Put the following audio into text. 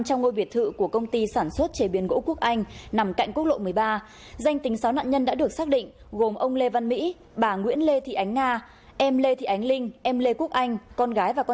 trong ngôi biệt thự của công ty sản xuất chế biến gỗ quốc anh nằm cạnh quốc lộ một mươi ba